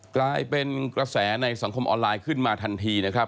กลายเป็นกระแสในสังคมออนไลน์ขึ้นมาทันทีนะครับ